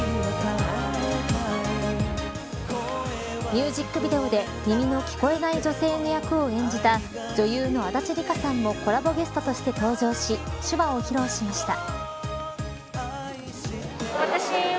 ミュージックビデオで耳の聞こえない女性の役を演じた女優の足立梨花さんもコラボゲストとして登場し手話を披露しました。